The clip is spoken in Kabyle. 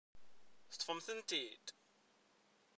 Teṭṭfemt-tent-id?